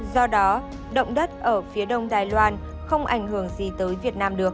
do đó động đất ở phía đông đài loan không ảnh hưởng gì tới việt nam được